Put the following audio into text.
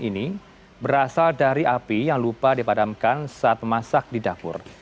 ketika diperlukan kejadian ini berasal dari api yang lupa dipadamkan saat memasak di dapur